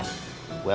harus gitu sih